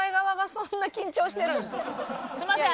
すみません